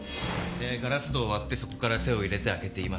えガラス戸を割ってそこから手を入れて開けています。